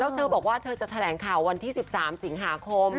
แล้วเธอบอกว่าเธอจะแถลงข่าววันที่๑๓สิงหาคม